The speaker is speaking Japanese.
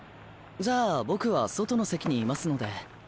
じゃあ僕は外の席にいますので。